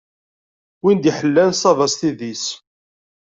Win d-iḥellan ṣṣaba s tidi-s.